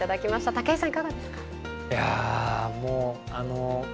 武井さん、いかがですか。